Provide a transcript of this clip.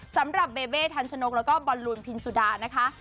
สำหรับเบเบทันชนกแล้วก็บอลลูนพินสุดานะคะ